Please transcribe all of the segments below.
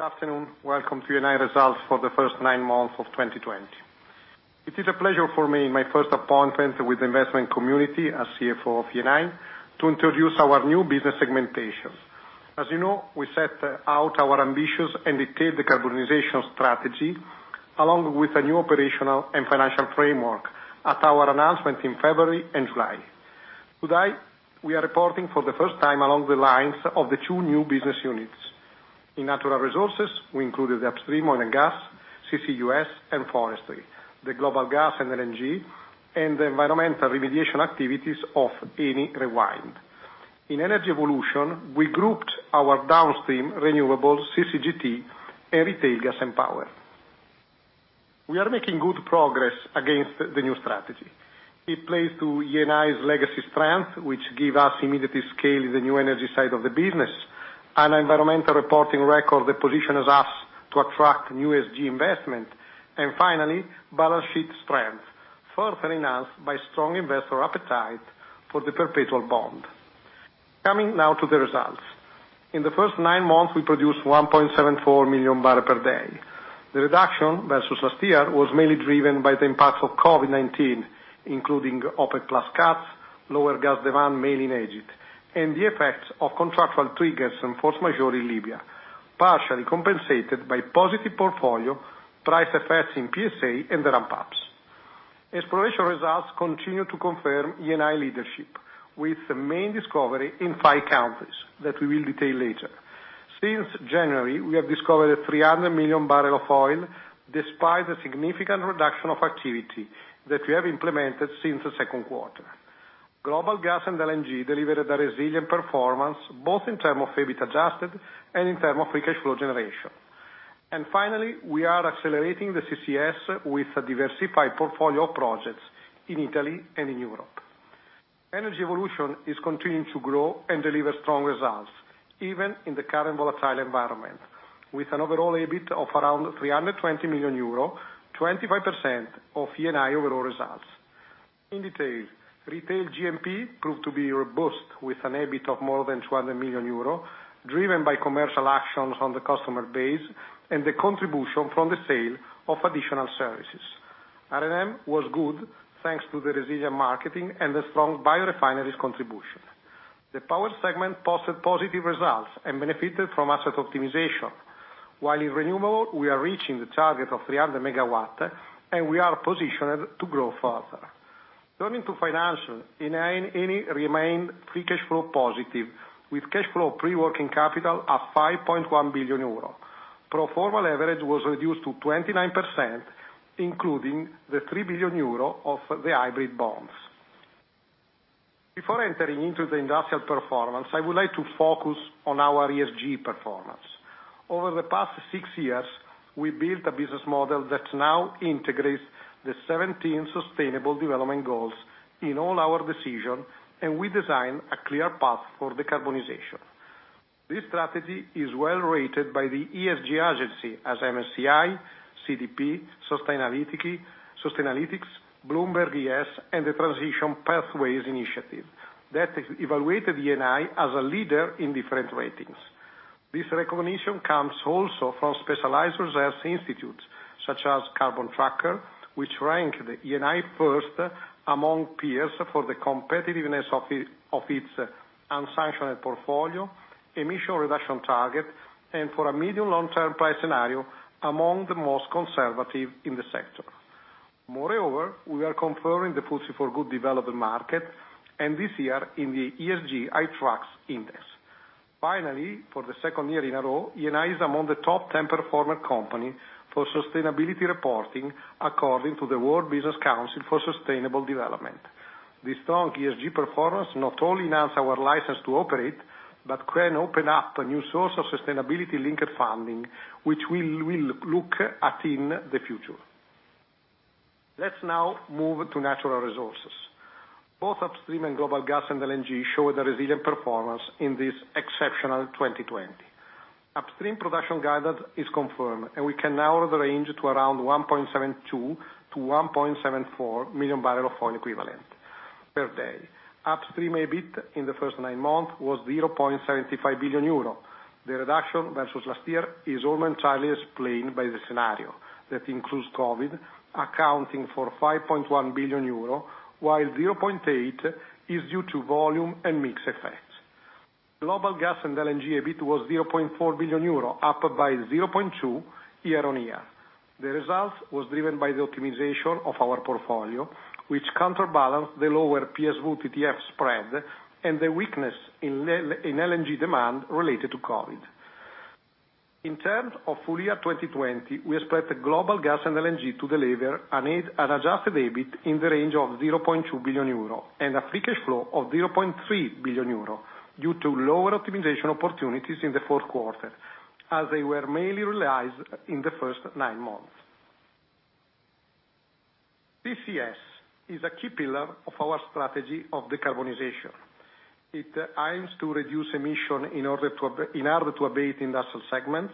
Good afternoon. Welcome to Eni results for the first nine months of 2020. It is a pleasure for me, my first appointment with the investment community as CFO of Eni, to introduce our new business segmentation. As you know, we set out our ambitious and detailed decarbonization strategy, along with a new operational and financial framework at our announcement in February and July. Today, we are reporting for the first time along the lines of the two new business units. In Natural Resources, we included the upstream oil and gas, CCUS, and forestry, the Global Gas and LNG, and the environmental remediation activities of Eni Rewind. In Energy Evolution, we grouped our downstream renewables, CCGT, and Retail Gas and Power. We are making good progress against the new strategy. It plays to Eni's legacy strength, which give us immediate scale in the new energy side of the business, an environmental reporting record that positions us to attract new ESG investment. Finally, balance sheet strength, further enhanced by strong investor appetite for the perpetual bond. Coming now to the results. In the first nine months, we produced 1.74 million barrels per day. The reduction versus last year was mainly driven by the impacts of COVID-19, including OPEC+ cuts, lower gas demand, mainly in Egypt, and the effects of contractual triggers and force majeure in Libya, partially compensated by positive portfolio price effects in PSA and the ramp-ups. Exploration results continue to confirm Eni leadership with the main discovery in five countries, that we will detail later. Since January, we have discovered 300 million barrels of oil, despite the significant reduction of activity that we have implemented since the second quarter. Global Gas and LNG delivered a resilient performance, both in term of EBIT adjusted and in term of free cash flow generation. Finally, we are accelerating the CCS with a diversified portfolio of projects in Italy and in Europe. Energy Evolution is continuing to grow and deliver strong results, even in the current volatile environment, with an overall EBIT of around 320 million euro, 25% of Eni overall results. In detail, Retail G&P proved to be robust with an EBIT of more than 200 million euro, driven by commercial actions on the customer base and the contribution from the sale of additional services. R&M was good, thanks to the resilient marketing and the strong biorefineries contribution. The Power segment posted positive results and benefited from asset optimization. While in Renewable, we are reaching the target of 300 MW, and we are positioned to grow further. Turning to financial, Eni remained free cash flow positive with cash flow pre-working capital at 5.1 billion euro. Pro forma leverage was reduced to 29%, including the 3 billion euro of the hybrid bonds. Before entering into the industrial performance, I would like to focus on our ESG performance. Over the past six years, we built a business model that now integrates the 17 Sustainable Development Goals in all our decision, and we design a clear path for decarbonization. This strategy is well-rated by the ESG agency, as MSCI, CDP, Sustainalytics, Bloomberg ESG, and the Transition Pathway Initiative that evaluated Eni as a leader in different ratings. This recognition comes also from specialized research institutes such as Carbon Tracker, which ranked Eni first among peers for the competitiveness of its unsanctioned portfolio, emission reduction target, and for a medium long-term price scenario among the most conservative in the sector. Moreover, we are confirming the FTSE4Good developed market, and this year in the ESG iTraxx Index. Finally, for the second year in a row, Eni is among the top 10 performer company for sustainability reporting, according to the World Business Council for Sustainable Development. This strong ESG performance not only enhance our license to operate, but can open up a new source of sustainability-linked funding, which we will look at in the future. Let's now move to Natural Resources. Both Upstream and Global Gas & LNG showed a resilient performance in this exceptional 2020. Upstream production guidance is confirmed. We can now range to around 1.72 million-1.74 million barrel of oil equivalent per day. Upstream EBIT in the first nine months was 0.75 billion euro. The reduction versus last year is almost entirely explained by the scenario that includes COVID, accounting for 5.1 billion euro, while 0.8 billion is due to volume and mix effects. Global Gas and LNG EBIT was 0.4 billion euro, up by 0.2 billion year-on-year. The result was driven by the optimization of our portfolio, which counterbalance the lower PSV TTF spread and the weakness in LNG demand related to COVID. In terms of full year 2020, we expect the Global Gas and LNG to deliver an adjusted EBIT in the range of 0.2 billion euro and a free cash flow of 0.3 billion euro due to lower optimization opportunities in the fourth quarter, as they were mainly realized in the first nine months. CCS is a key pillar of our strategy of decarbonization. It aims to reduce emissions in order to abate industrial segments,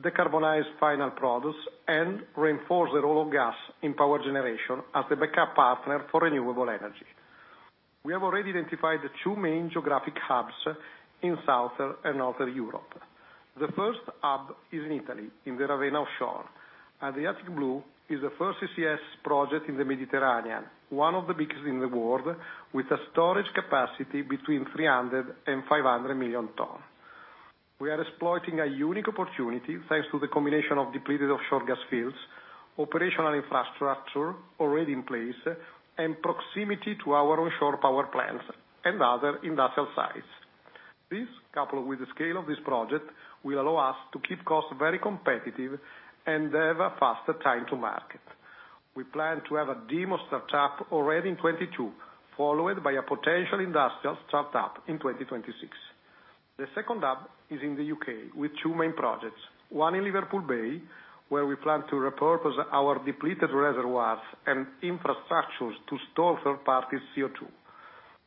decarbonize final products, and reinforce the role of gas in power generation as a backup partner for renewable energy. We have already identified the two main geographic hubs in South and Northern Europe. The first hub is in Italy, in the Ravenna offshore. Adriatic Blue is the first CCS project in the Mediterranean, one of the biggest in the world, with a storage capacity between 300 million and 500 million tons. We are exploiting a unique opportunity, thanks to the combination of depleted offshore gas fields, operational infrastructure already in place, and proximity to our onshore power plants and other industrial sites. This, coupled with the scale of this project, will allow us to keep costs very competitive and have a faster time to market. We plan to have a demo startup already in 2022, followed by a potential industrial startup in 2026. The second hub is in the U.K. with two main projects, one in Liverpool Bay, where we plan to repurpose our depleted reservoirs and infrastructures to store third parties' CO2.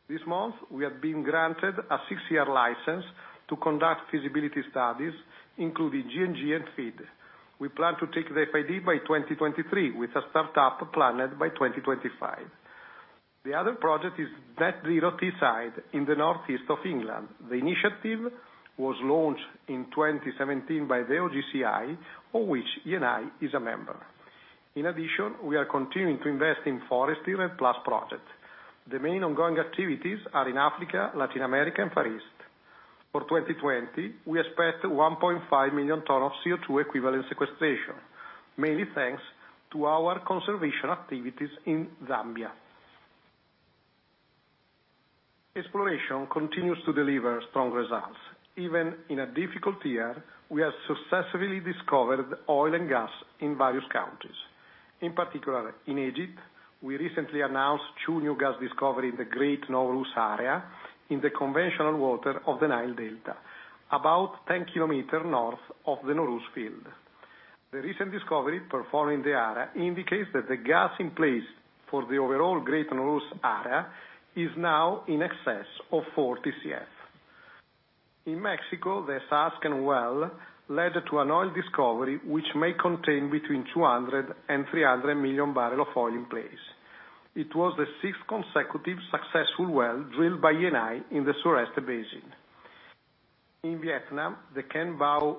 This month, we have been granted a six-year license to conduct feasibility studies, including G&G and FEED. We plan to take the FID by 2023, with a startup planned by 2025. The other project is Net Zero Teesside in the Northeast of England. The initiative was launched in 2017 by the OGCI, of which Eni is a member. In addition, we are continuing to invest in forestry and PLAST project. The main ongoing activities are in Africa, Latin America, and Far East. For 2020, we expect 1.5 million tons of CO2 equivalent sequestration, mainly thanks to our conservation activities in Zambia. Exploration continues to deliver strong results. Even in a difficult year, we have successfully discovered oil and gas in various countries. In particular, in Egypt, we recently announced two new gas discovery in the Great Nooros Area, in the conventional water of the Nile Delta, about 10km north of the Nooros field. The recent discovery performed in the area indicates that the gas in place for the overall Great Nooros Area is now in excess of 4 TCF. In Mexico, the Saasken well led to an oil discovery which may contain between 200 and 300 million barrels of oil in place. It was the sixth consecutive successful well drilled by Eni in the Sureste Basin. In Vietnam, the Ken Bau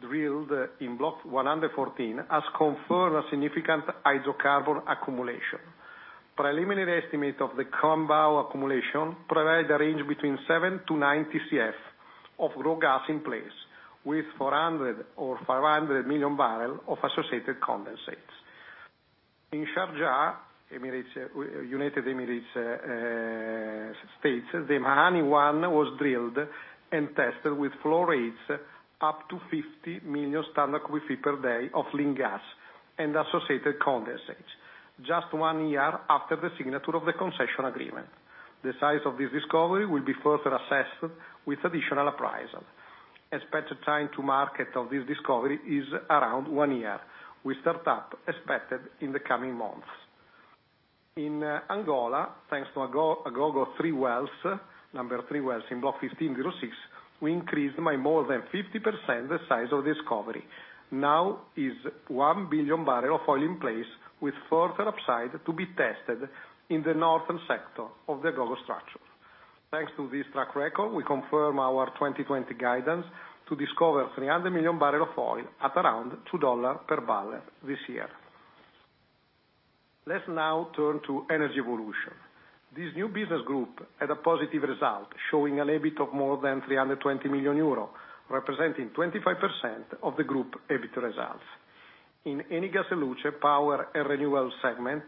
drilled in Block 114 has confirmed a significant hydrocarbon accumulation. Preliminary estimate of the Ken Bau accumulation provide a range between seven to 9 TCF of raw gas in place, with 400 or 500 million barrels of associated condensates. In Sharjah, United Arab Emirates, the Mahani-1 was drilled and tested with flow rates up to 50 million standard cubic feet per day of lean gas and associated condensates, just one year after the signature of the concession agreement. The size of this discovery will be further assessed with additional appraisal. Expected time to market of this discovery is around one year, with startup expected in the coming months. In Angola, thanks to Agogo number three wells in Block 1506, we increased by more than 50% the size of discovery. Now is 1 billion barrel of oil in place, with further upside to be tested in the northern sector of the Agogo structure. Thanks to this track record, we confirm our 2020 guidance to discover 300 million barrel of oil at around $2 per barrel this year. Let's now turn to Energy Evolution. This new business group had a positive result, showing an EBIT of more than 320 million euro, representing 25% of the group EBIT results. In Eni Gas e Luce power and renewables segment,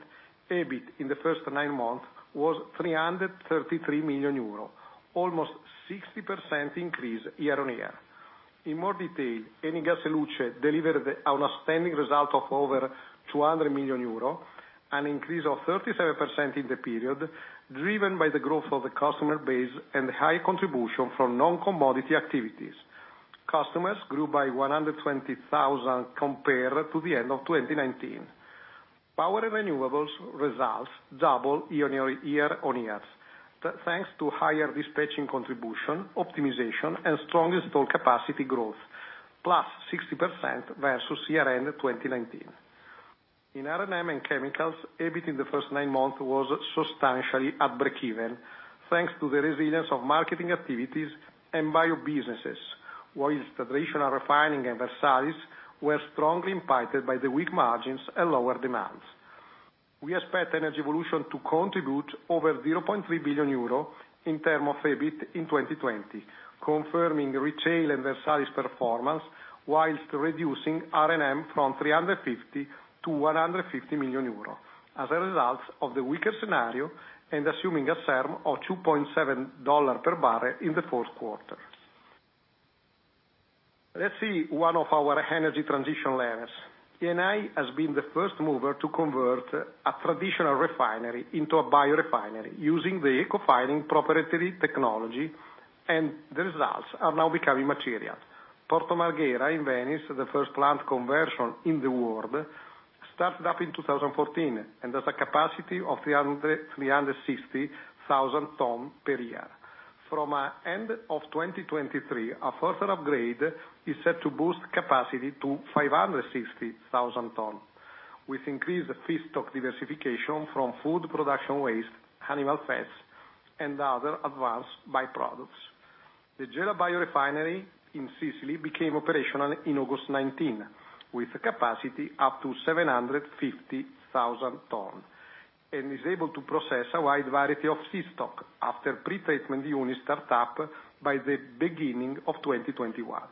EBIT in the first nine months was 333 million euro, almost 16% increase year-on-year. In more detail, Eni gas e luce delivered an outstanding result of over 200 million euro, an increase of 37% in the period, driven by the growth of the customer base and high contribution from non-commodity activities. Customers grew by 120,000 compared to the end of 2019. Power and renewables results double year-on-year. Thanks to higher dispatching contribution, optimization, and strong installed capacity growth, +60% versus year-end 2019. In R&M and Chemicals, EBIT in the first nine months was substantially at breakeven, thanks to the resilience of marketing activities and bio businesses, whilst traditional refining and Versalis were strongly impacted by the weak margins and lower demands. We expect Energy Evolution to contribute over 0.3 billion euro in term of EBIT in 2020, confirming retail and Versalis performance whilst reducing R&M from 350 million-150 million euro, as a result of the weaker scenario and assuming a term of $2.7 per barrel in the fourth quarter. Let's see one of our energy transition layers. Eni has been the first mover to convert a traditional refinery into a biorefinery using the Ecofining proprietary technology, and the results are now becoming material. Porto Marghera in Venice, the first plant conversion in the world, started up in 2014 and has a capacity of 360,000 tons per year. From end of 2023, a further upgrade is set to boost capacity to 560,000 tons. With increased feedstock diversification from food production waste, animal fats, and other advanced by-products. The Gela Biorefinery in Sicily became operational in August 2019, with a capacity up to 750,000 tons and is able to process a wide variety of feedstock after pre-treatment unit start-up by the beginning of 2021.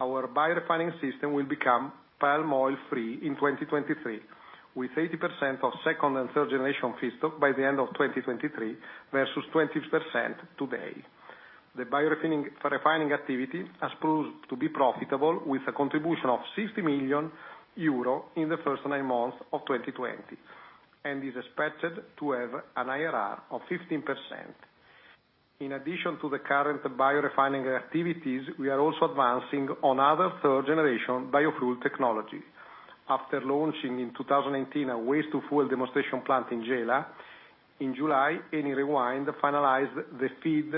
Our biorefining system will become palm oil-free in 2023, with 80% of second- and third-generation feedstock by the end of 2023 versus 20% today. The biorefining activity has proved to be profitable with a contribution of 60 million euro in the first nine months of 2020, and is expected to have an IRR of 15%. In addition to the current biorefining activities, we are also advancing on other third-generation biofuel technology. After launching in 2018 a waste-to-fuel demonstration plant in Gela, in July, Eni Rewind finalized the FEED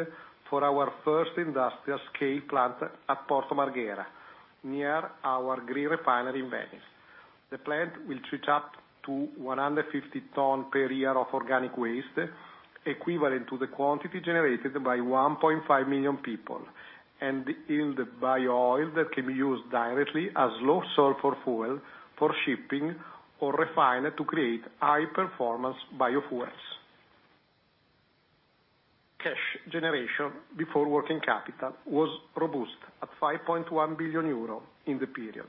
for our first industrial-scale plant at Porto Marghera, near our green refinery in Venice. The plant will switch up to 150 tons per year of organic waste, equivalent to the quantity generated by 1.5 million people, and yield biooil that can be used directly as low sulfur fuel for shipping or refined to create high performance biofuels. Cash generation before working capital was robust at 5.1 billion euro in the period.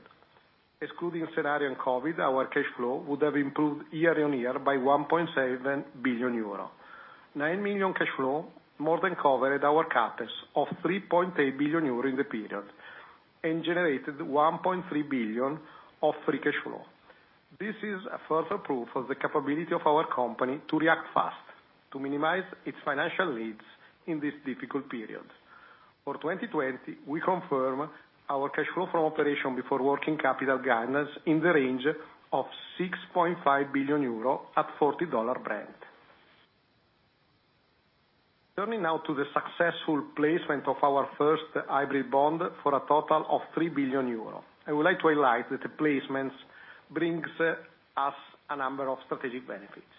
Excluding scenario COVID-19, our cash flow would have improved year-on-year by 1.7 billion euro. 9 million cash flow more than covered our CapEx of 3.8 billion euro in the period, and generated 1.3 billion of free cash flow. This is a further proof of the capability of our company to react fast to minimize its financial needs in this difficult period. For 2020, we confirm our cash flow from operation before working capital guidance in the range of 6.5 billion euro at $40 Brent. Turning now to the successful placement of our first hybrid bond for a total of 3 billion euro. I would like to highlight that the placements brings us a number of strategic benefits.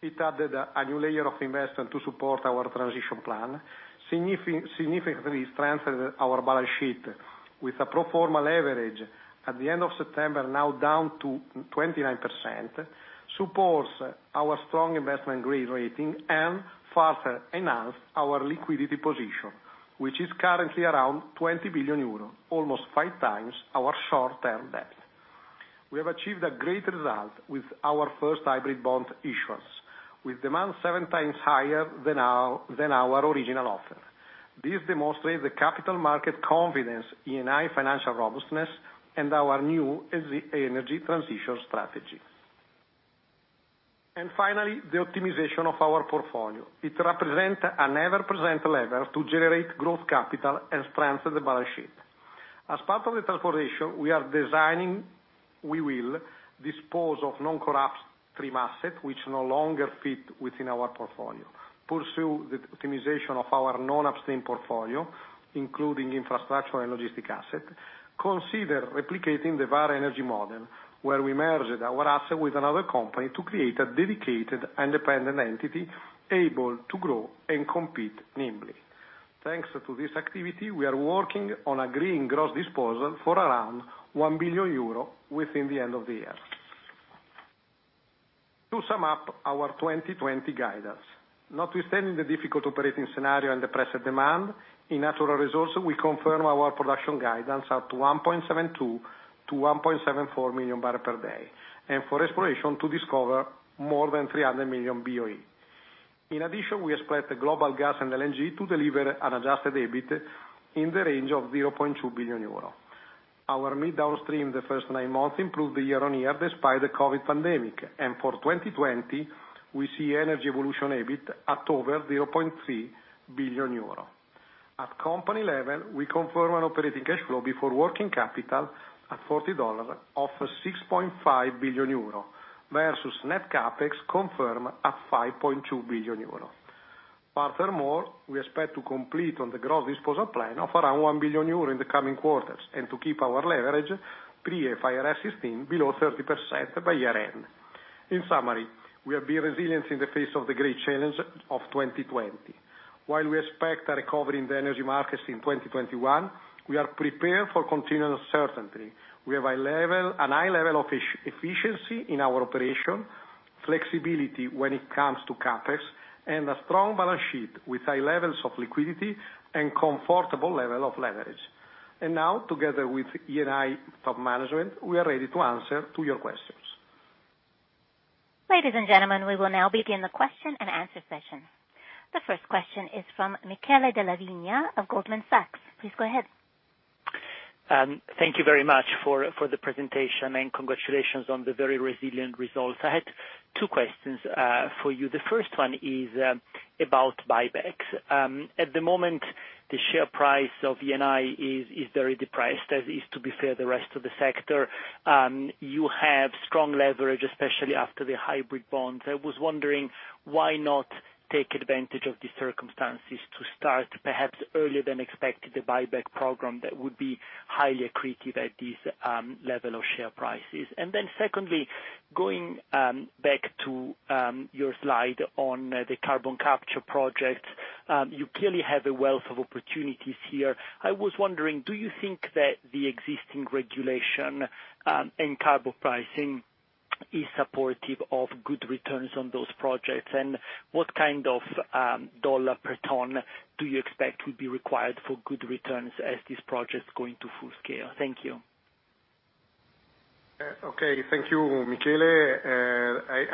It added a new layer of investment to support our transition plan, significantly strengthened our balance sheet with a pro forma leverage at the end of September now down to 29%, supports our strong investment grade rating, and further enhance our liquidity position, which is currently around 20 billion euro, almost five times our short-term debt. We have achieved a great result with our first hybrid bond issuance, with demand seven times higher than our original offer. This demonstrates the capital market confidence in high financial robustness and our new energy transition strategy. Finally, the optimization of our portfolio. It represent an ever present lever to generate growth capital and strengthen the balance sheet. As part of the transformation, we will dispose of non-core upstream asset which no longer fit within our portfolio, pursue the optimization of our non-upstream portfolio, including infrastructure and logistic asset, consider replicating the Vår Energi model, where we merged our asset with another company to create a dedicated, independent entity able to grow and compete nimbly. Thanks to this activity, we are working on agreeing gross disposal for around 1 billion euro within the end of the year. To sum up our 2020 guidance, notwithstanding the difficult operating scenario and the price of demand, in Natural Resources, we confirm our production guidance at 1.72 million-1.74 million barrel per day, and for exploration to discover more than 300 million BOE. In addition, we expect the global gas and LNG to deliver an adjusted EBIT in the range of 0.2 billion euro. Our mid-downstream the first nine months improved year-on-year despite the COVID-19 pandemic. For 2020, we see Energy Evolution EBIT at over 0.3 billion euro. At company level, we confirm an operating cash flow before working capital at $40 of 6.5 billion euro, versus net CapEx confirmed at 5.2 billion euro. Furthermore, we expect to complete on the gross disposal plan of around 1 billion euro in the coming quarters and to keep our leverage, pre-IFRS 16, below 30% by year-end. In summary, we are being resilient in the face of the great challenge of 2020. While we expect a recovery in the energy markets in 2021, we are prepared for continued uncertainty. We have a high level of efficiency in our operation, flexibility when it comes to CapEx, and a strong balance sheet with high levels of liquidity and comfortable level of leverage. Now, together with Eni top management, we are ready to answer to your questions. Ladies and gentlemen, we will now begin the question-and-answer session. The first question is from Michele Della Vigna of Goldman Sachs. Please go ahead. Thank you very much for the presentation, and congratulations on the very resilient results. I had two questions for you. The first one is about buybacks. The share price of Eni is very depressed, as is, to be fair, the rest of the sector. You have strong leverage, especially after the hybrid bonds. I was wondering, why not take advantage of the circumstances to start, perhaps earlier than expected, the buyback program that would be highly accretive at this level of share prices? Secondly, going back to your slide on the carbon capture project, you clearly have a wealth of opportunities here. I was wondering, do you think that the existing regulation in carbon pricing is supportive of good returns on those projects? What kind of dollar per ton do you expect would be required for good returns as these projects go into full scale? Thank you. Okay. Thank you, Michele.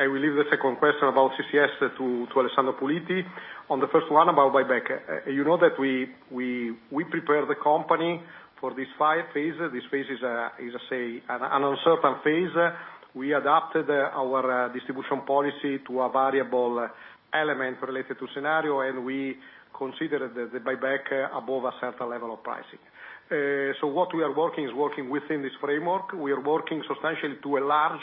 I will leave the second question about CCS to Alessandro Puliti. On the first one about buyback, you know that we prepare the company for this phase. This phase is, say, an uncertain phase. We adapted our distribution policy to a variable element related to scenario, and we considered the buyback above a certain level of pricing. What we are working is working within this framework. We are working substantially to enlarge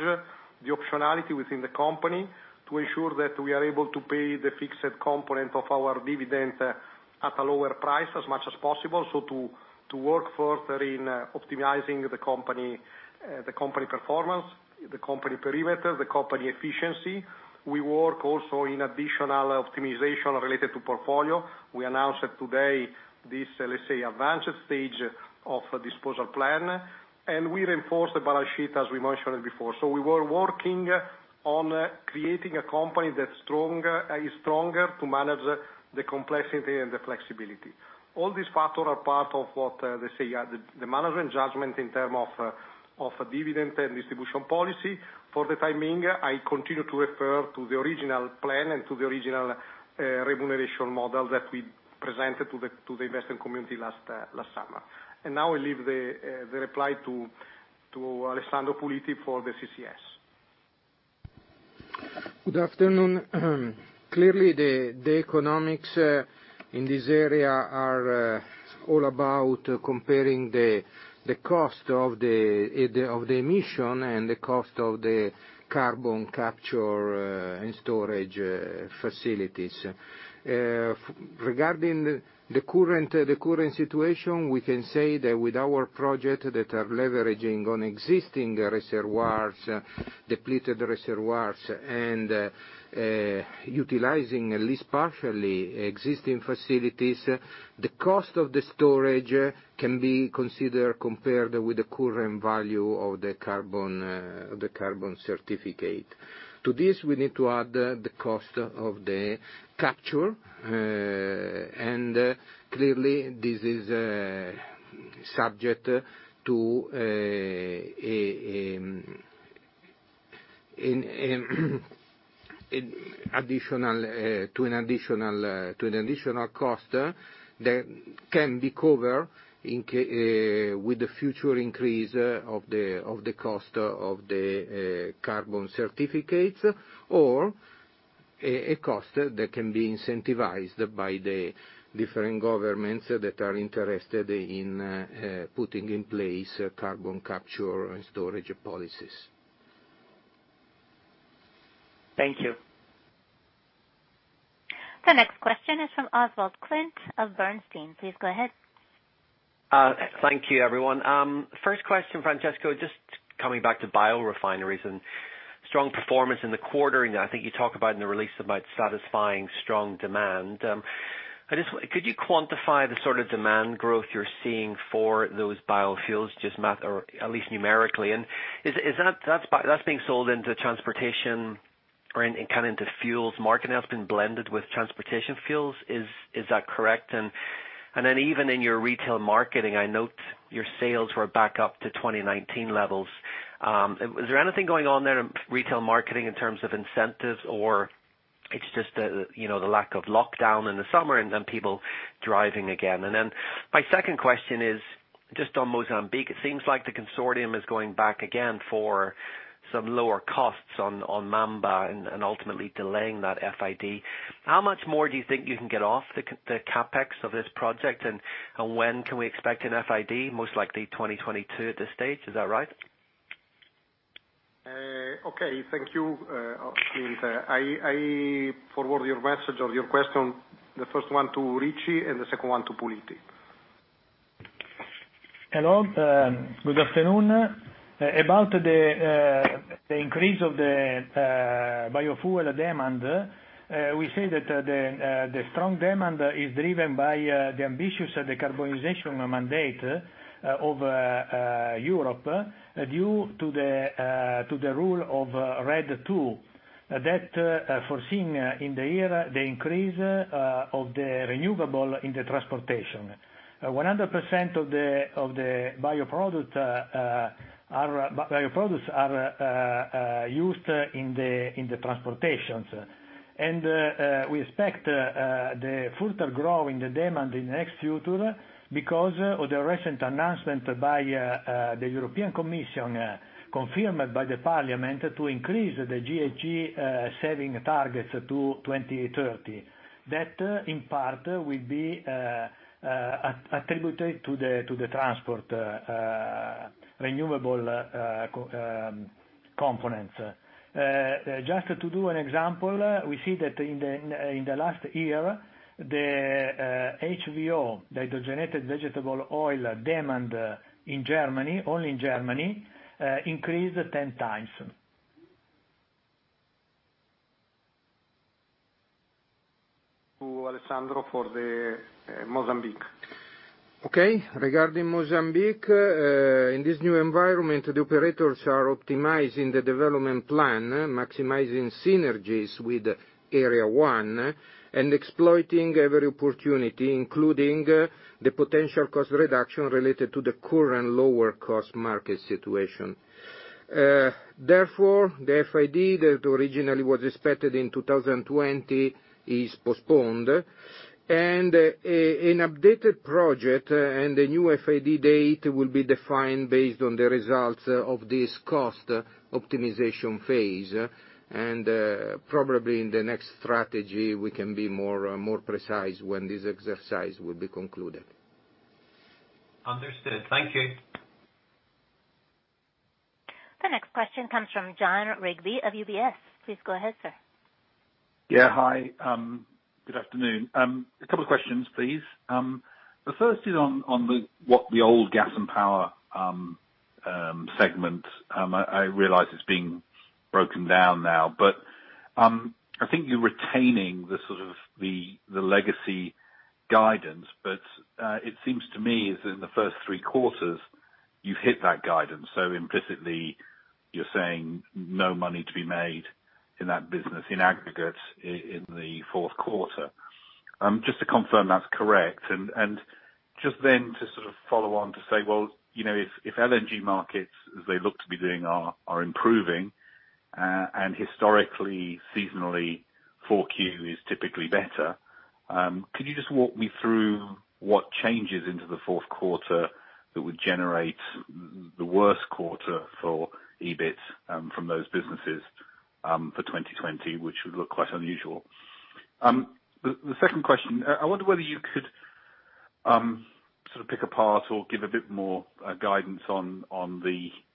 the optionality within the company to ensure that we are able to pay the fixed component of our dividend at a lower price as much as possible, so to work further in optimizing the company performance, the company perimeter, the company efficiency. We work also in additional optimization related to portfolio. We announced today this, let's say, advanced stage of a disposal plan, and we reinforce the balance sheet, as we mentioned before. We were working on creating a company that is stronger to manage the complexity and the flexibility. All these factors are part of what they say, the management judgment in terms of a dividend and distribution policy. For the timing, I continue to refer to the original plan and to the original remuneration model that we presented to the investing community last summer. Now I leave the reply to Alessandro Puliti for the CCS. Good afternoon. Clearly, the economics in this area are all about comparing the cost of the emission and the cost of the carbon capture and storage facilities. Regarding the current situation, we can say that with our project that are leveraging on existing reservoirs, depleted reservoirs, and utilizing at least partially existing facilities, the cost of the storage can be considered compared with the current value of the carbon certificate. Clearly, this is subject to an additional cost that can be covered with the future increase of the cost of the carbon certificates, or a cost that can be incentivized by the different governments that are interested in putting in place carbon capture and storage policies. Thank you. The next question is from Oswald Clint of Bernstein. Please go ahead. Thank you, everyone. First question, Francesco, just coming back to biorefineries and strong performance in the quarter. I think you talk about in the release about satisfying strong demand. Could you quantify the sort of demand growth you're seeing for those biofuels, just at least numerically? Is that being sold into transportation or into fuels market that's been blended with transportation fuels? Is that correct? Even in your retail marketing, I note your sales were back up to 2019 levels. Is there anything going on there in retail marketing in terms of incentives, or it's just the lack of lockdown in the summer and then people driving again? My second question is just on Mozambique. It seems like the consortium is going back again for some lower costs on Mamba and ultimately delaying that FID. How much more do you think you can get off the CapEx of this project, and when can we expect an FID? Most likely 2022 at this stage. Is that right? Thank you, Clint. I forward your message of your question, the first one to Ricci and the second one to Puliti. Hello. Good afternoon. About the increase of the biofuel demand, we say that the strong demand is driven by the ambitious decarbonization mandate of Europe due to the rule of RED II that foreseen in the year the increase of the renewable in the transportation. 100% of the bioproducts are used in the transportation. We expect the further growth in the demand in the next future because of the recent announcement by the European Commission, confirmed by the parliament, to increase the GHG saving targets to 2030. That, in part, will be attributed to the transport renewable components. Just to do an example, we see that in the last year, the HVO, the Hydrogenated Vegetable Oil, demand in Germany, only in Germany, increased 10 times. To Alessandro for the Mozambique. Okay. Regarding Mozambique, in this new environment, the operators are optimizing the development plan, maximizing synergies with Area 1 and exploiting every opportunity, including the potential cost reduction related to the current lower cost market situation. The FID that originally was expected in 2020 is postponed, and an updated project and the new FID date will be defined based on the results of this cost optimization phase. Probably in the next strategy, we can be more precise when this exercise will be concluded. Understood. Thank you. The next question comes from Jon Rigby of UBS. Please go ahead, sir. Yeah. Hi. Good afternoon. A couple of questions, please. The first is on what the old Gas and Power segment, I realize it's being broken down now, but I think you're retaining the legacy guidance. It seems to me is in the first three quarters you've hit that guidance. Implicitly you're saying no money to be made in that business in aggregate, in the fourth quarter. Just to confirm that's correct, and just then to sort of follow on to say, well, if LNG markets, as they look to be doing, are improving, and historically, seasonally, 4Q is typically better, could you just walk me through what changes into the fourth quarter that would generate the worst quarter for EBIT from those businesses, for 2020, which would look quite unusual? The second question, I wonder whether you could sort of pick apart or give a bit more guidance on the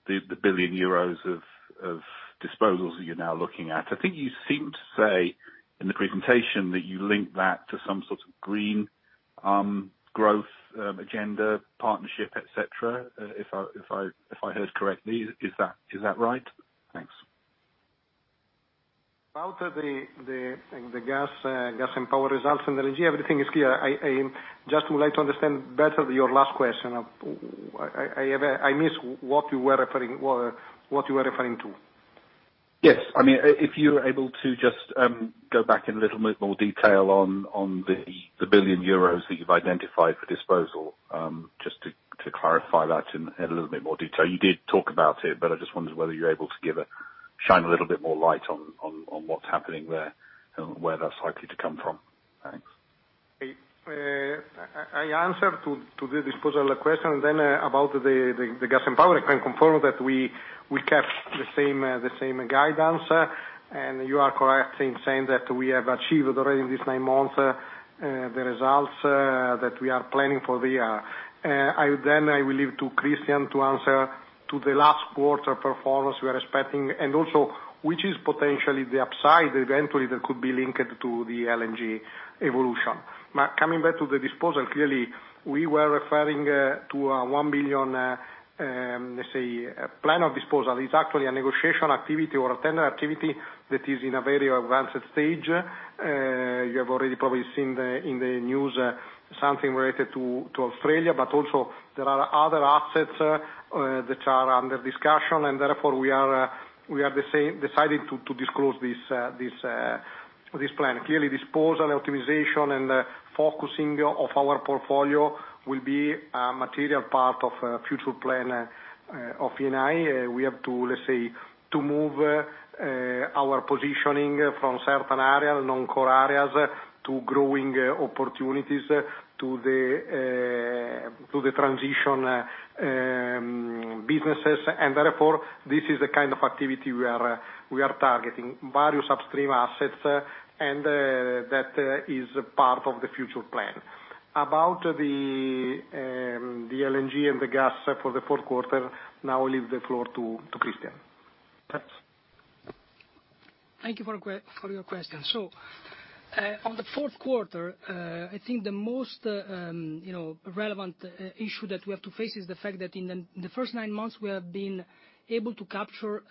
1 billion euros of disposals that you're now looking at. I think you seem to say in the presentation that you link that to some sort of green growth agenda, partnership, et cetera, if I heard correctly. Is that right? Thanks. About the gas and power results and the energy, everything is clear. I just would like to understand better your last question. I missed what you were referring to. Yes. If you are able to just go back in a little bit more detail on the 1 billion euros that you've identified for disposal, just to clarify that in a little bit more detail. You did talk about it, I just wondered whether you're able to shine a little bit more light on what's happening there and where that's likely to come from. Thanks. I answer to the disposal question, then about the gas and power, I can confirm that we kept the same guidance. You are correct in saying that we have achieved already in these nine months, the results that we are planning for the year. I will leave to Cristian to answer to the last quarter performance we are expecting, and also which is potentially the upside eventually that could be linked to the LNG evolution. Coming back to the disposal, clearly, we were referring to a 1 billion, let's say, plan of disposal. It's actually a negotiation activity or a tender activity that is in a very advanced stage. You have already probably seen in the news something related to Australia, but also there are other assets that are under discussion, and therefore, we have decided to disclose this plan. Clearly, disposal optimization and focusing of our portfolio will be a material part of future plan of Eni. We have to, let's say, to move our positioning from certain areas, non-core areas, to growing opportunities to the transition businesses. Therefore, this is the kind of activity we are targeting. Various upstream assets, and that is part of the future plan. About the LNG and the gas for the fourth quarter, now I leave the floor to Cristian. Thank you for your question. On the fourth quarter, I think the most relevant issue that we have to face is the fact that in the first nine months, we have been able to capture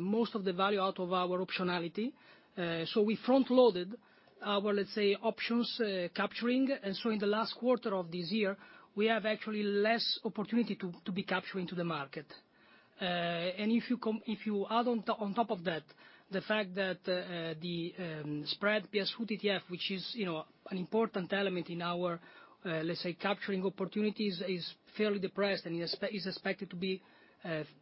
most of the value out of our optionality. We front loaded our, let's say, options capturing. In the last quarter of this year, we have actually less opportunity to be capturing to the market. If you add on top of that, the fact that the spread PSV-TTF, which is an important element in our, let's say, capturing opportunities, is fairly depressed and is expected to be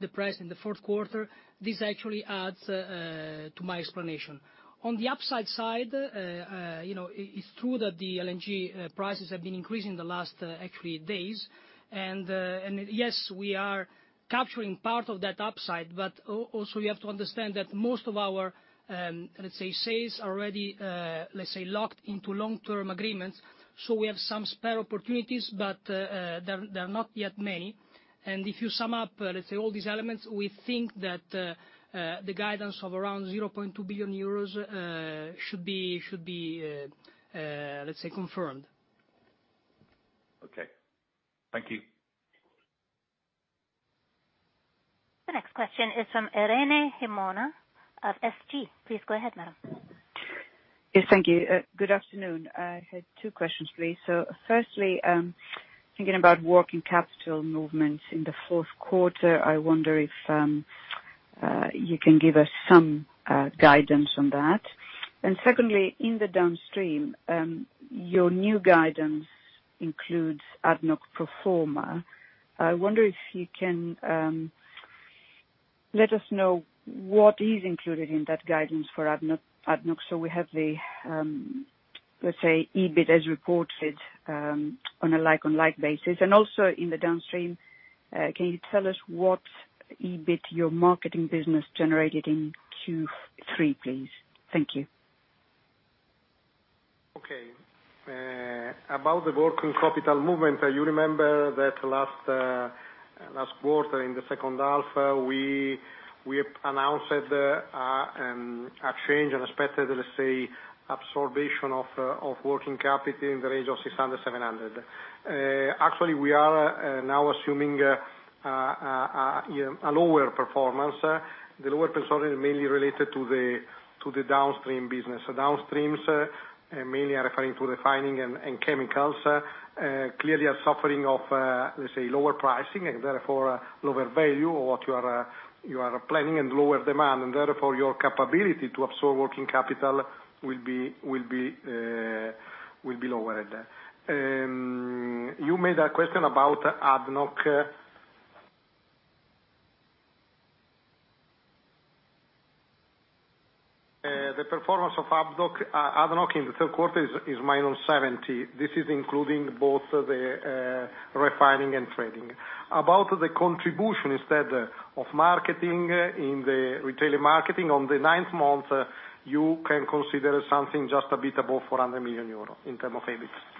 depressed in the fourth quarter. This actually adds to my explanation. On the upside side, it's true that the LNG prices have been increasing the last actually days. Yes, we are capturing part of that upside, but also you have to understand that most of our sales already locked into long-term agreements. We have some spare opportunities, but there are not yet many. If you sum up all these elements, we think that the guidance of around 0.2 billion euros should be confirmed. Okay. Thank you. The next question is from Irene Himona of SG. Please go ahead, madam. Yes. Thank you. Good afternoon. I had two questions, please. Firstly, thinking about working capital movements in the fourth quarter, I wonder if you can give us some guidance on that. Secondly, in the downstream, your new guidance includes ADNOC pro forma. I wonder if you can let us know what is included in that guidance for ADNOC. We have the, let's say, EBIT as reported on a like-on-like basis. Also in the downstream, can you tell us what EBIT your marketing business generated in Q3, please? Thank you. Okay. About the working capital movement, you remember that last quarter in the second half, we announced a change in expected, let's say, absorption of working capital in the range of 600, 700. Actually, we are now assuming a lower performance. The lower performance is mainly related to the downstream business. Downstreams, mainly are referring to refining and chemicals, clearly are suffering of, let's say, lower pricing and therefore lower value or what you are planning and lower demand, therefore your capability to absorb working capital will be lowered. You made a question about ADNOC. The performance of ADNOC in the third quarter is -70. This is including both the refining and trading. About the contribution, instead of marketing in the retail marketing on the ninth month, you can consider something just a bit above 400 million euro in term of EBIT. No?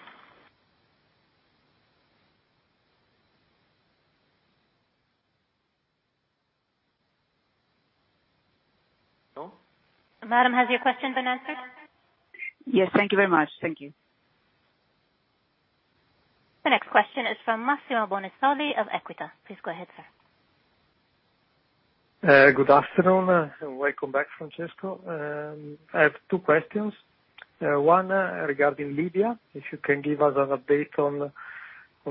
Madam, has your question been answered? Yes. Thank you very much. Thank you. The next question is from Massimo Bonisoli of Equita. Please go ahead, sir. Good afternoon. Welcome back, Francesco. I have two questions. One regarding Libya, if you can give us an update on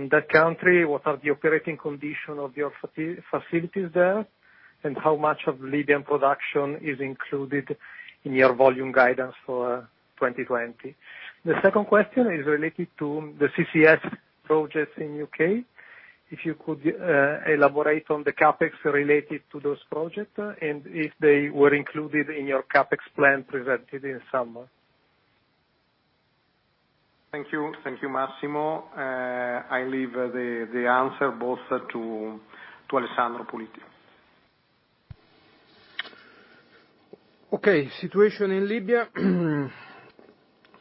that country, what are the operating condition of your facilities there, and how much of Libyan production is included in your volume guidance for 2020? The second question is related to the CCS projects in U.K. If you could elaborate on the CapEx related to those projects, and if they were included in your CapEx plan presented in summer. Thank you, Massimo. I leave the answer both to Alessandro Puliti. Situation in Libya.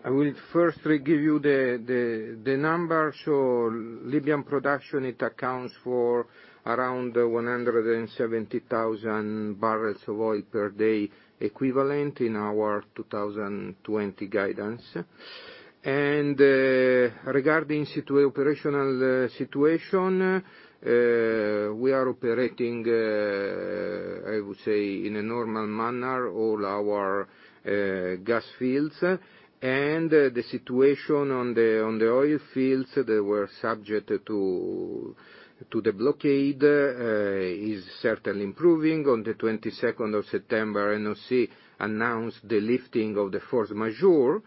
I will firstly give you the numbers. Libyan production, it accounts for around 170,000 barrels of oil per day equivalent in our 2020 guidance. Regarding operational situation, we are operating, I would say, in a normal manner, all our gas fields. The situation on the oil fields that were subject to the blockade is certainly improving. On the 22nd of September, NOC announced the lifting of the force majeure,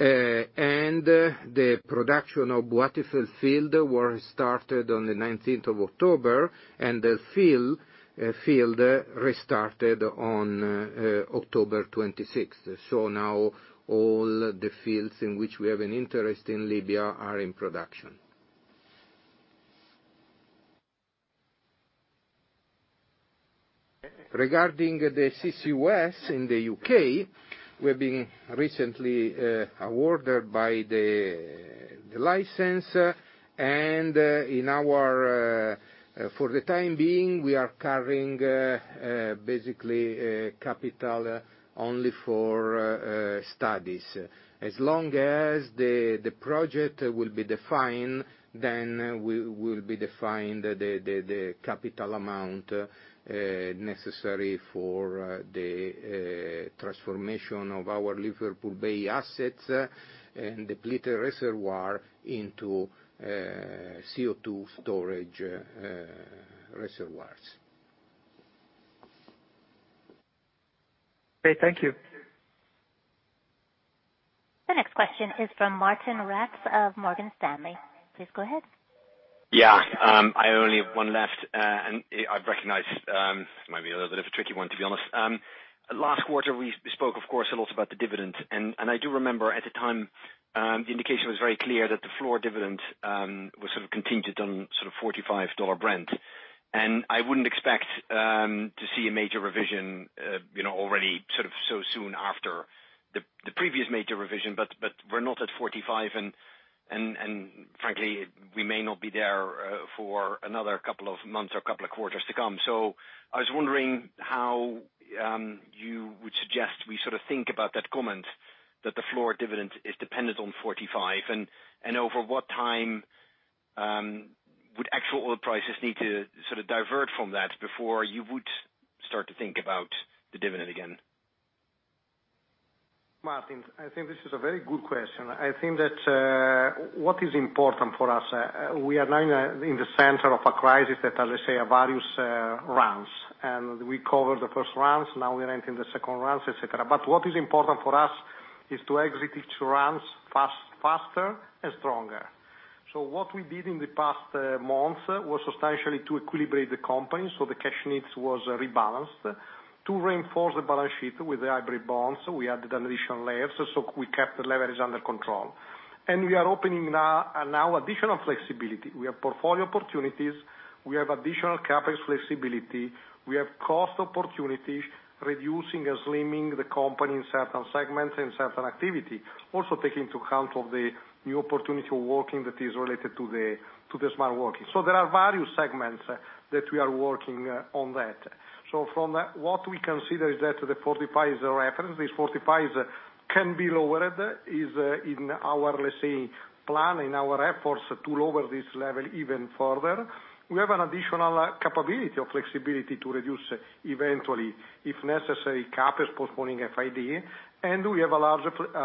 and the production of Wafa field were started on the 19th of October, and El Feel field restarted on October 26th. Now all the fields in which we have an interest in Libya are in production. Regarding the CCUS in the U.K., we've been recently awarded by the license, and for the time being, we are covering basically capital only for studies. As long as the project will be defined, then we will be defined the capital amount necessary for the transformation of our Liverpool Bay assets and depleted reservoir into CO2 storage reservoirs. Great. Thank you. The next question is from Martijn Rats of Morgan Stanley. Please go ahead. Yeah. I only have one left. I recognize this might be a little bit of a tricky one, to be honest. Last quarter, we spoke, of course, a lot about the dividend. I do remember at the time, the indication was very clear that the floor dividend was sort of contingent on sort of $45 Brent. I wouldn't expect to see a major revision already sort of so soon after the previous major revision. We're not at $45, and frankly, we may not be there for another couple of months or couple of quarters to come. I was wondering how you would suggest we sort of think about that comment that the floor dividend is dependent on $45, and over what time would actual oil prices need to sort of divert from that before you would start to think about the dividend again? Martijn, I think this is a very good question. I think that what is important for us, we are now in the center of a crisis that, as I say, various rounds, and we covered the first rounds, now we are entering the second rounds, et cetera. What is important for us is to exit each rounds faster and stronger. What we did in the past month was substantially to equilibrate the company, so the cash needs was rebalanced. To reinforce the balance sheet with the hybrid bonds, we added an additional layer, so we kept the leverage under control. We are opening now additional flexibility. We have portfolio opportunities. We have additional CapEx flexibility. We have cost opportunities, reducing and slimming the company in certain segments and certain activity. Also taking into account of the new opportunity we're working that is related to the smart working. There are various segments that we are working on that. From that, what we consider is that the $45 is a reference. This $45 can be lowered, is in our, let's say, plan, in our efforts to lower this level even further. We have an additional capability or flexibility to reduce eventually, if necessary, CapEx postponing FID. We have a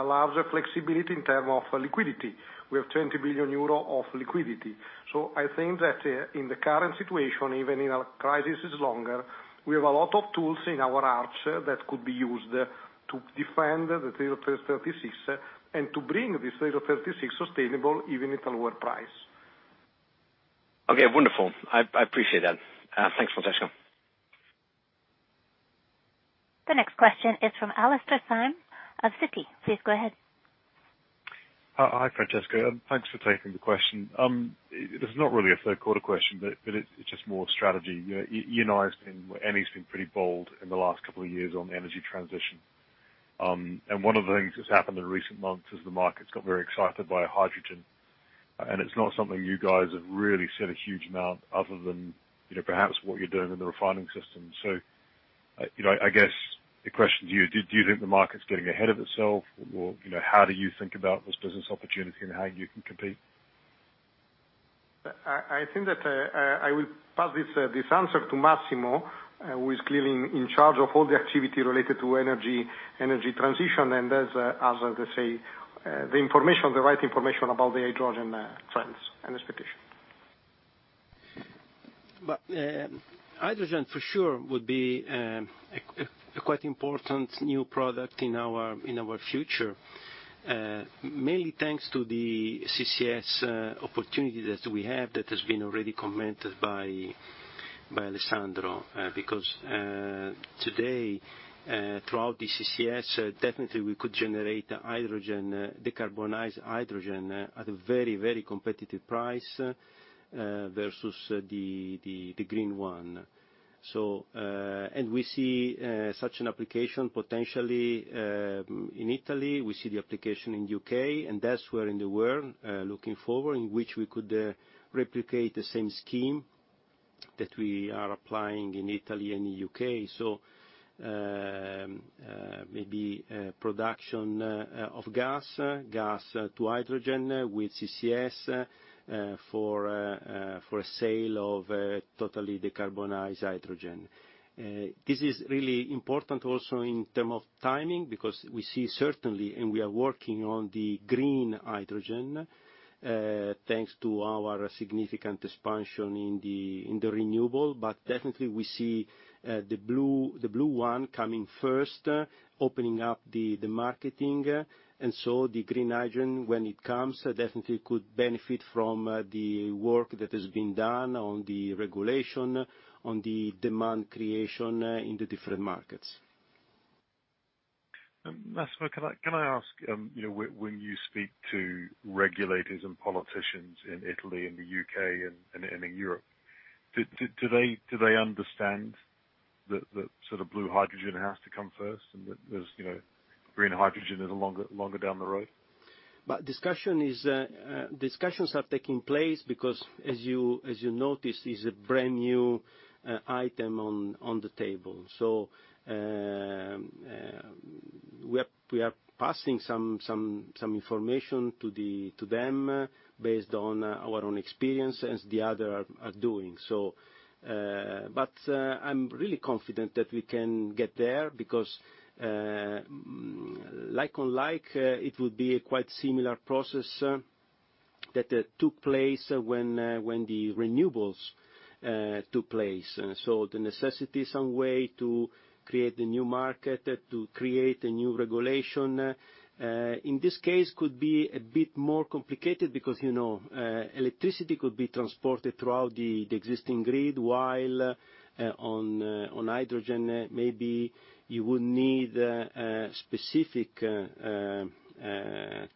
larger flexibility in term of liquidity. We have 20 billion euro of liquidity. I think that in the current situation, even if our crisis is longer, we have a lot of tools in our ark that could be used to defend the total 36 and to bring this total 36 sustainable, even at a lower price. Okay, wonderful. I appreciate that. Thanks, Francesco. The next question is from Alastair Syme of Citi. Please go ahead. Hi, Francesco. Thanks for taking the question. This is not really a third quarter question, but it's just more strategy. You and I and Eni's been pretty bold in the last couple of years on energy transition. One of the things that's happened in recent months is the market's got very excited by hydrogen. It's not something you guys have really said a huge amount other than perhaps what you're doing in the refining system. I guess the question to you, do you think the market's getting ahead of itself? How do you think about this business opportunity and how you can compete? I think that, I will pass this answer to Massimo, who is clearly in charge of all the activity related to energy transition, and has, as I say, the right information about the hydrogen trends and expectation. Hydrogen for sure would be a quite important new product in our future. Mainly thanks to the CCS opportunity that we have that has been already commented by Alessandro. Because, today, throughout the CCS, definitely we could generate decarbonized hydrogen at a very competitive price, versus the green one. We see such an application potentially, in Italy. We see the application in U.K., that's where in the world, looking forward, in which we could replicate the same scheme that we are applying in Italy and U.K. Maybe production of gas to hydrogen with CCS for a sale of totally decarbonized hydrogen. This is really important also in terms of timing, because we see certainly, and we are working on the green hydrogen, thanks to our significant expansion in the renewables, but definitely we see the blue one coming first, opening up the market, and so the green hydrogen, when it comes, definitely could benefit from the work that has been done on the regulation, on the demand creation in the different markets. Massimo, can I ask, when you speak to regulators and politicians in Italy and the U.K. and in Europe, do they understand that sort of blue hydrogen has to come first and that green hydrogen is longer down the road? Discussions are taking place because as you noticed, is a brand new item on the table. We are passing some information to them based on our own experience as the others are doing. I'm really confident that we can get there because, like on like, it would be quite a similar process that took place when the renewables took place. The necessity, some way to create a new market, to create a new regulation. In this case, could be a bit more complicated because electricity could be transported throughout the existing grid, while on hydrogen, maybe you would need a specific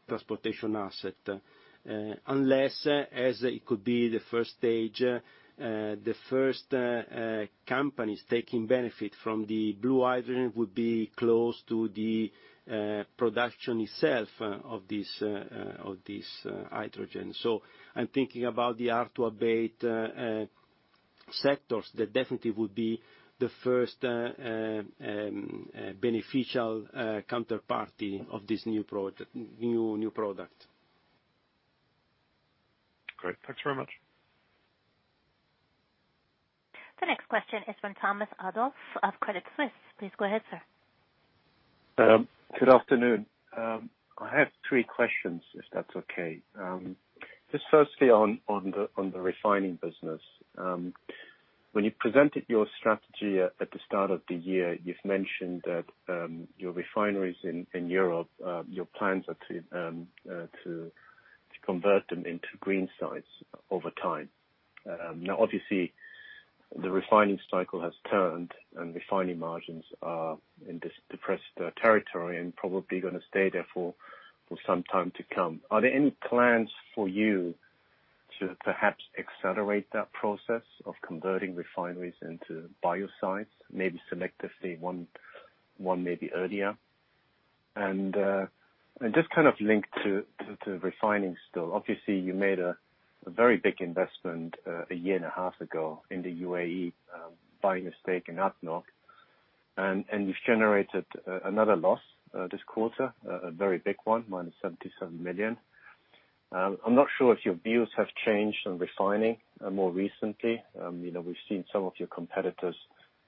transportation asset. Unless, as it could be the first stage, the first companies taking benefit from the blue hydrogen would be close to the production itself of this hydrogen. I'm thinking about the hard to abate sectors that definitely would be the first beneficial counterparty of this new product. Great. Thanks very much. The next question is from Thomas Adolff of Credit Suisse. Please go ahead, sir. Good afternoon. I have three questions, if that's okay. Firstly, on the refining business. When you presented your strategy at the start of the year, you've mentioned that your refineries in Europe, your plans are to convert them into green sites over time. Obviously, the refining cycle has turned and refining margins are in this depressed territory and probably going to stay there for some time to come. Are there any plans for you to perhaps accelerate that process of converting refineries into bio sites, maybe selectively one maybe earlier? Link to refining still. Obviously, you made a very big investment a year and a half ago in the UAE, buying a stake in ADNOC, and you've generated another loss this quarter, a very big one, minus 77 million. I'm not sure if your views have changed on refining more recently. We've seen some of your competitors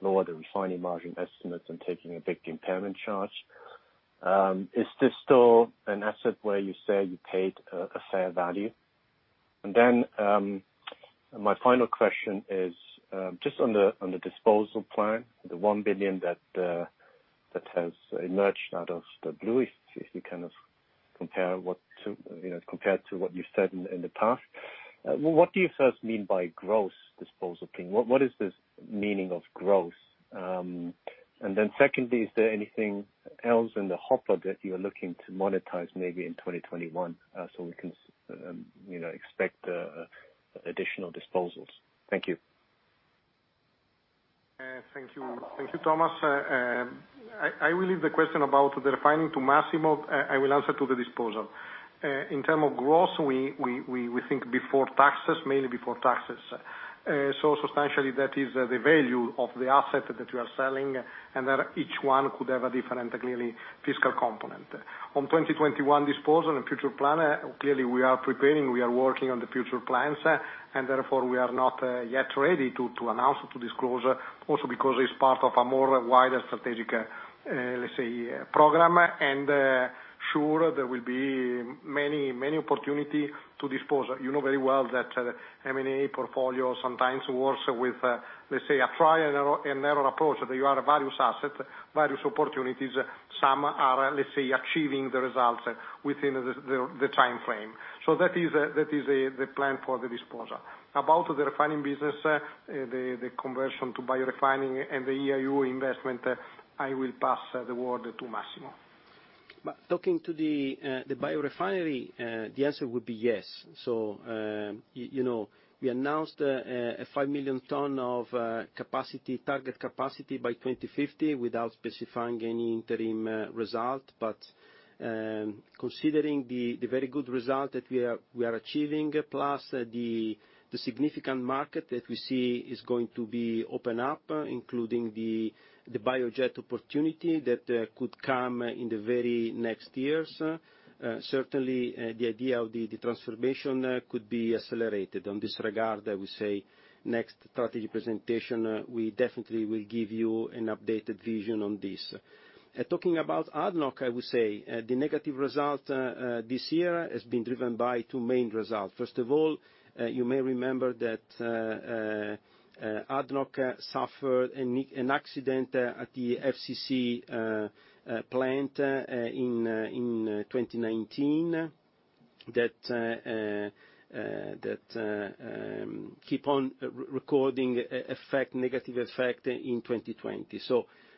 lower the refining margin estimates and taking a big impairment charge. Is this still an asset where you say you paid a fair value? Then my final question is, just on the disposal plan, the 1 billion that has emerged out of the blue, if you compare to what you've said in the past. What do you first mean by gross disposal? What is this meaning of gross? Then secondly, is there anything else in the hopper that you are looking to monetize maybe in 2021, so we can expect additional disposals? Thank you. Thank you, Thomas. I will leave the question about the refining to Massimo. I will answer to the disposal. In term of gross, we think before taxes, mainly before taxes. Substantially, that is the value of the asset that we are selling, and that each one could have a different, clearly fiscal component. On 2021 disposal and future plan, clearly we are preparing, we are working on the future plans, therefore we are not yet ready to announce or to disclose also because it's part of a more wider strategic, let's say, program. Sure, there will be many opportunity to dispose. You know very well that M&A portfolio sometimes works with, let's say, a trial and error approach. That you have various asset, various opportunities. Some are, let's say, achieving the results within the time frame. That is the plan for the disposal. About the refining business, the conversion to biorefining and the UAE investment, I will pass the word to Massimo. Talking to the biorefinery, the answer would be yes. We announced a 5 million ton of target capacity by 2050 without specifying any interim result. Considering the very good result that we are achieving, plus the significant market that we see is going to be open up, including the biojet opportunity that could come in the very next years. Certainly, the idea of the transformation could be accelerated. On this regard, I would say, next strategy presentation, we definitely will give you an updated vision on this. Talking about ADNOC, I would say, the negative result this year has been driven by two main results. First of all, you may remember that ADNOC suffered an accident at the FCC plant in 2019 that keep on recording negative effect in 2020.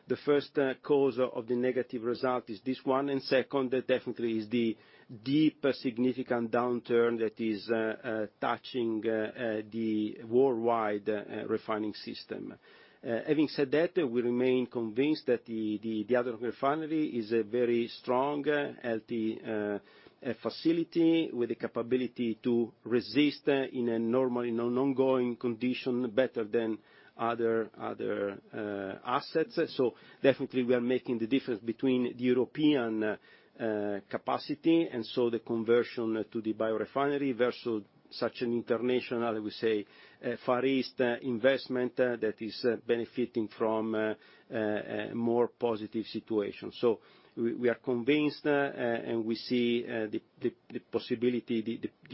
The first cause of the negative result is this one, and second, definitely is the deep significant downturn that is touching the worldwide refining system. Having said that, we remain convinced that the other refinery is a very strong, healthy facility with the capability to resist in an ongoing condition better than other assets. Definitely, we are making the difference between the European capacity, and so the conversion to the biorefinery versus such an international, we say, Far East investment that is benefiting from a more positive situation. We are convinced, and we see the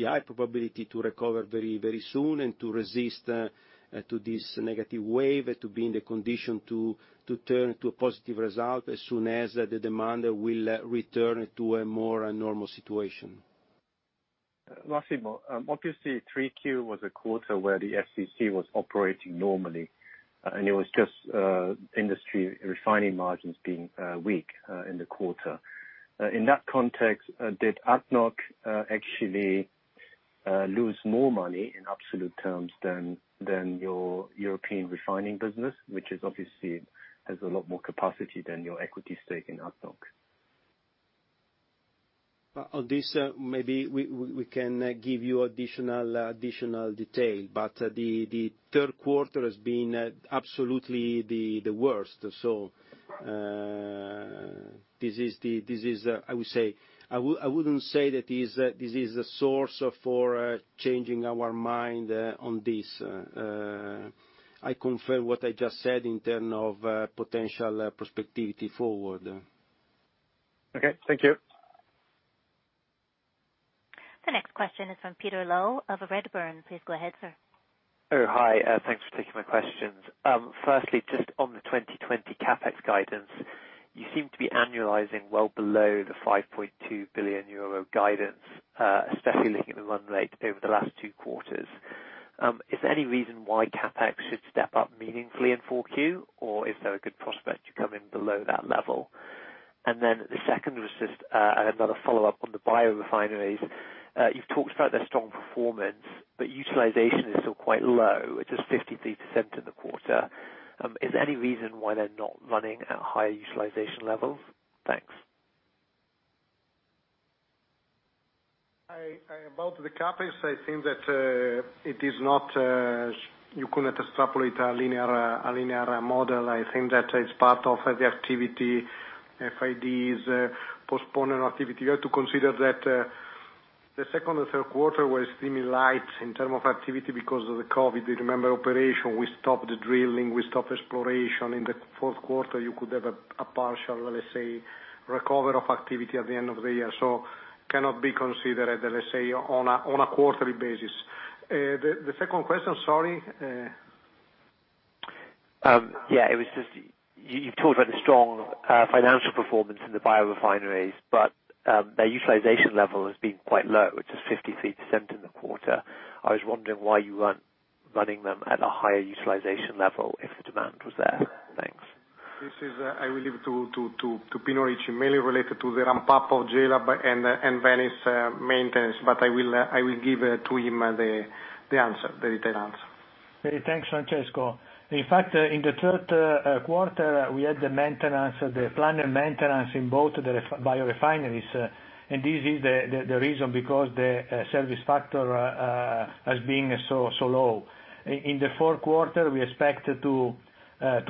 high probability to recover very soon and to resist to this negative wave and to be in the condition to turn to a positive result as soon as the demand will return to a more normal situation. Last thing, obviously 3Q was a quarter where the FCC was operating normally. It was just industry refining margins being weak in the quarter. In that context, did ADNOC actually lose more money in absolute terms than your European refining business, which obviously has a lot more capacity than your equity stake in ADNOC? On this, maybe we can give you additional detail, the third quarter has been absolutely the worst. I wouldn't say that this is the source for changing our mind on this. I confirm what I just said in terms of potential prospectivity forward. Okay, thank you. The next question is from Peter Low of Redburn. Please go ahead, sir. Oh, hi. Thanks for taking my questions. On the 2020 CapEx guidance, you seem to be annualizing well below the 5.2 billion euro guidance, especially looking at the run rate over the last two quarters. Is there any reason why CapEx should step up meaningfully in 4Q? Is there a good prospect you come in below that level? The second was another follow-up on the biorefineries. You've talked about their strong performance. Utilization is still quite low. It's just 53% in the quarter. Is there any reason why they're not running at higher utilization levels? Thanks. About the CapEx, I think that you could not extrapolate a linear model. I think that it's part of the activity, FIDs, postponing activity. You have to consider that the second and third quarter were extremely light in term of activity because of the COVID. You remember operation, we stopped the drilling, we stopped exploration. In the fourth quarter, you could have a partial, let's say, recover of activity at the end of the year. It cannot be considered, let's say, on a quarterly basis. The second question, sorry? Yeah. You talked about the strong financial performance in the biorefineries. Their utilization level has been quite low. It's just 53% in the quarter. I was wondering why you aren't running them at a higher utilization level if the demand was there. Thanks. This is, I will leave to Pino Ricci, mainly related to the ramp-up of Gela and Venice maintenance. I will give to him the detailed answer. Okay, thanks, Francesco. In fact, in the third quarter, we had the planned maintenance in both the biorefineries. This is the reason because the service factor has been so low. In the fourth quarter, we expect to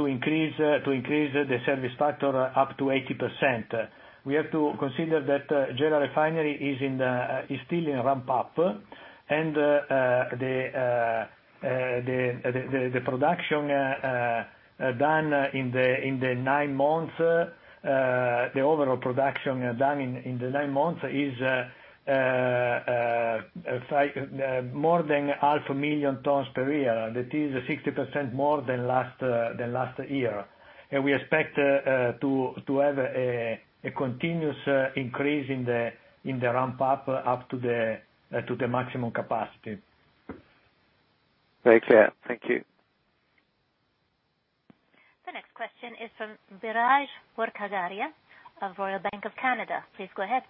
increase the service factor up to 80%. We have to consider that Gela refinery is still in ramp-up, and the overall production done in the nine months is more than 500,000 tons per year. That is 60% more than last year. We expect to have a continuous increase in the ramp-up, up to the maximum capacity. Very clear. Thank you. The next question is from Biraj Borkhataria of Royal Bank of Canada. Please go ahead.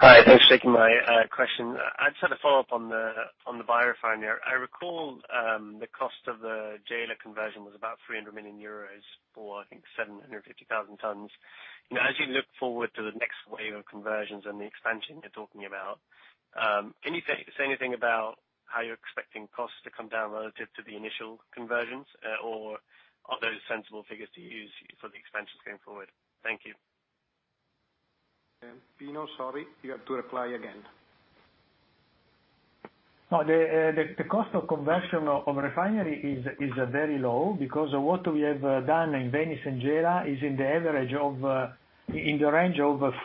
Hi. Thanks for taking my question. I just had a follow-up on the biorefinery. I recall the cost of the Gela conversion was about 300 million euros for, I think, 750,000 tons. As you look forward to the next wave of conversions and the expansion you're talking about, can you say anything about how you're expecting costs to come down relative to the initial conversions? Or are those sensible figures to use for the expansions going forward? Thank you. Pino, sorry. You have to reply again. No, the cost of conversion of refinery is very low because what we have done in Venice and Gela is in the range of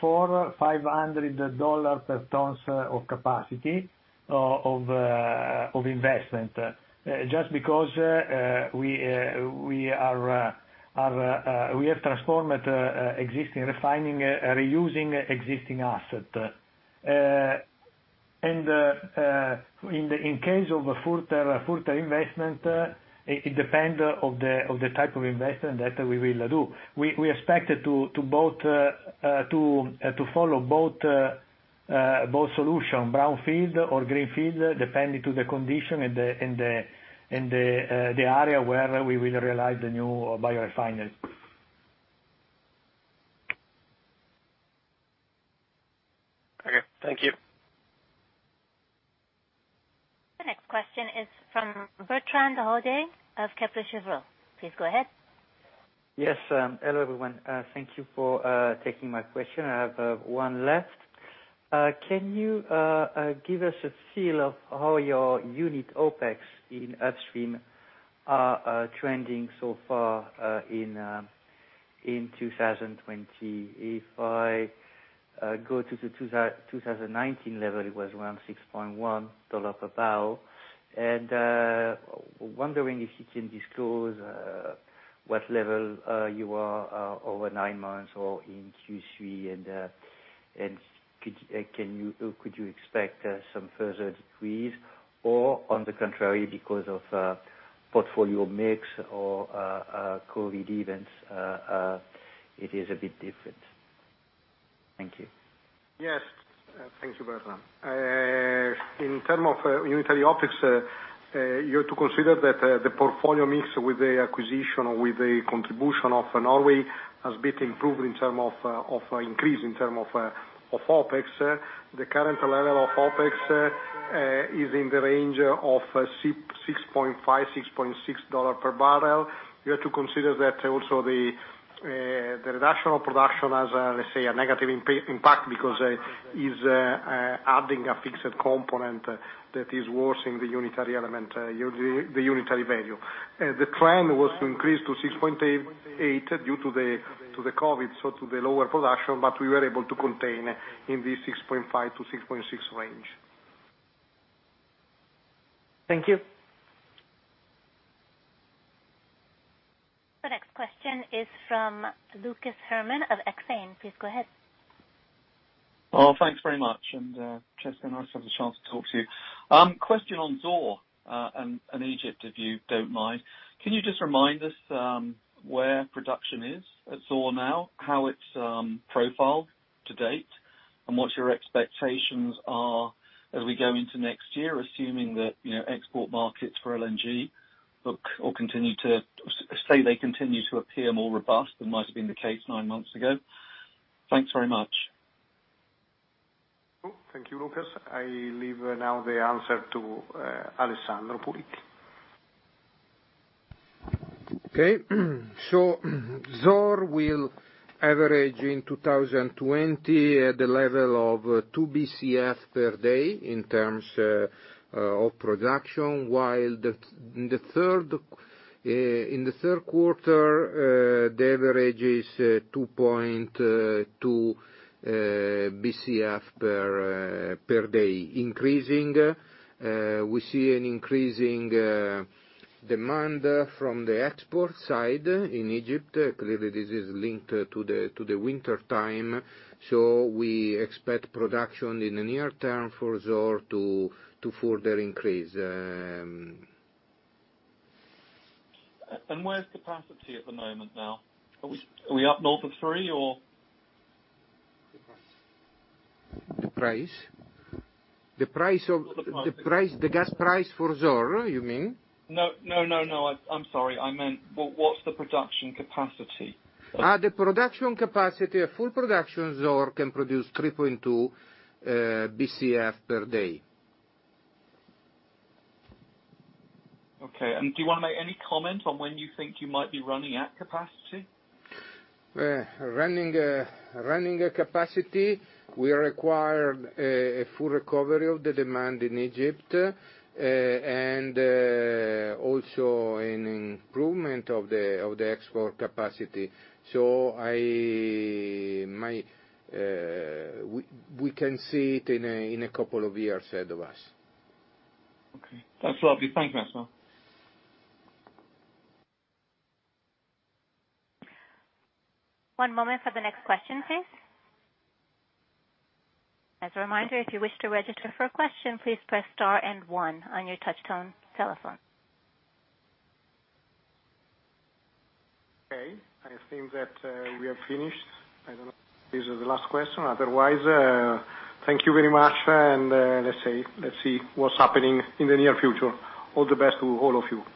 $400-$500 per tons of capacity of investment. Just because we have transformed existing refining, reusing existing asset. In case of a further investment, it depends of the type of investment that we will do. We expect to follow both solution, brownfield or greenfield, depending to the condition in the area where we will realize the new biorefineries. Okay. Thank you. The next question is from Bertrand Hodée of Kepler Cheuvreux. Please go ahead. Yes. Hello, everyone. Thank you for taking my question. I have one left. Can you give us a feel of how your unit OpEx in upstream are trending so far in 2020? If I go to the 2019 level, it was around $6.1 per barrel. Wondering if you can disclose what level you are over nine months or in Q3, and could you expect some further decrease or on the contrary, because of portfolio mix or COVID-19 events, it is a bit different? Thank you. Yes. Thank you, Bertrand. In terms of unitary OpEx, you have to consider that the portfolio mix with the acquisition or with the contribution of Norway has been improved in terms of increase in terms of OpEx. The current level of OpEx is in the range of $6.5, $6.6 per barrel. You have to consider that also the reduction of production has, let's say, a negative impact because is adding a fixed component that is worsening the unitary value. The plan was to increase to $6.8 due to the COVID-19, so to the lower production. We were able to contain in the $6.5-$6.6 range. Thank you. The next question is from Lucas Herrmann of Exane. Please go ahead. Thanks very much. Nice to have the chance to talk to you. Question on Zohr and Egypt, if you don't mind. Can you just remind us where production is at Zohr now, how it's profiled to date, and what your expectations are as we go into next year, assuming that export markets for LNG, say they continue to appear more robust than might have been the case nine months ago? Thanks very much. Cool. Thank you, Lucas. I leave now the answer to Alessandro Puliti. Okay. Zohr will average in 2020 the level of 2 Bcf per day in terms of production, while in the third quarter, the average is 2.2 Bcf per day increasing. We see an increasing demand from the export side in Egypt. Clearly, this is linked to the winter time. We expect production in the near term for Zohr to further increase. Where's capacity at the moment now? Are we up north of three or? The price? The gas price for Zohr, you mean? No, I'm sorry. I meant what's the production capacity? The production capacity, full production, Zohr can produce 3.2 Bcf per day. Okay. Do you want to make any comment on when you think you might be running at capacity? Running a capacity, we require a full recovery of the demand in Egypt, and also an improvement of the export capacity. We can see it in a couple of years ahead of us. Okay. That's lovely. Thank you. One moment for the next question, please. As a reminder, if you wish to register for a question, please press star and one on your touch tone telephone. Okay, I think that we have finished. I don't know if this is the last question. Thank you very much, and let's see what's happening in the near future. All the best to all of you.